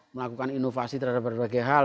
melakukan inovasi terhadap berbagai hal